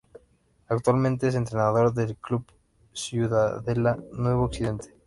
Actualmente es entrenador del club Ciudadela Nuevo Occidente